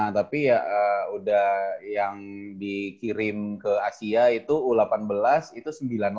tapi ya udah yang dikirim ke asia itu u delapan belas itu sembilan puluh delapan